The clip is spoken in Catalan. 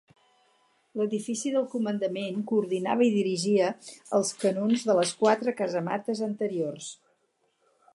L'edifici del comandament coordinava i dirigia els canons de les quatre casamates anteriors.